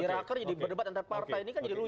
gerakan jadi berdebat antar partai ini kan jadi lucu